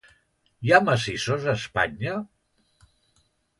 Hi ha massissos a Espanya?